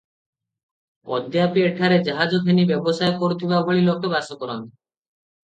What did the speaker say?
ଅଦ୍ୟାପି ଏଠାରେ ଜାହାଜ ଘେନି ବ୍ୟବସାୟ କରୁଥିବା ଭଳି ଲୋକେ ବାସ କରନ୍ତି ।